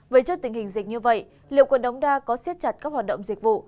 với trước tình hình dịch như vậy liệu quận đồng đa có siết chặt các hoạt động dịch vụ